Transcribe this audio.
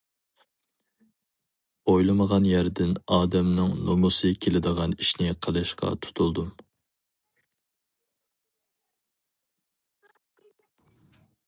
ئويلىمىغان يەردىن ئادەمنىڭ نومۇسى كېلىدىغان ئىشنى قىلىشقا تۇتۇلدۇم.